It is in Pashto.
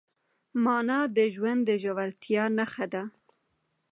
مانا د ژوند د ژورتیا نښه ده.